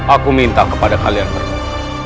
aku minta kepada kalian berdua